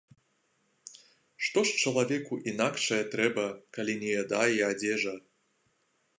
Што ж чалавеку інакшае трэба, калі не яда й адзежа?